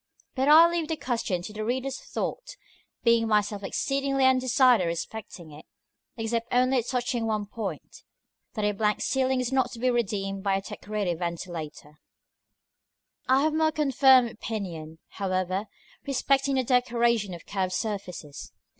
But I leave the question to the reader's thought, being myself exceedingly undecided respecting it: except only touching one point that a blank ceiling is not to be redeemed by a decorated ventilator. § IV. I have a more confirmed opinion, however, respecting the decoration of curved surfaces.